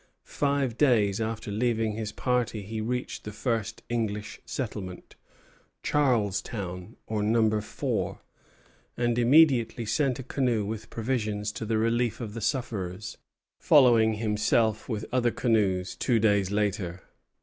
Five days after leaving his party he reached the first English settlement, Charlestown, or "Number Four," and immediately sent a canoe with provisions to the relief of the sufferers, following himself with other canoes two days later.